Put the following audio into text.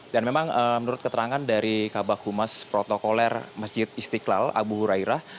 dan memang menurut keterangan dari kabah humas protokoler masjid istiqlal abu hurairah